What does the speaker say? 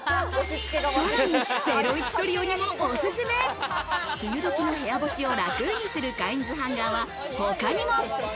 さらに、ゼロイチトリオにもおすすめ、梅雨どきの部屋干しを楽にするカインズハンガーは他にも。